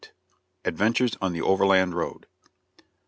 ADVENTURES ON THE OVERLAND ROAD.